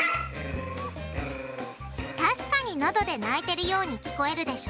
確かにノドで鳴いてるように聞こえるでしょ？